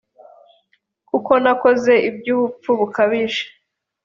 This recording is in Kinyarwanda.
kuko nakoze iby ubupfu bukabije